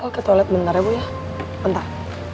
el ke toilet bentar ya bu ya bentar